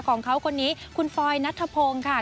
ของเขาคนนี้คุณฟลอยนัทธพงค์ค่ะ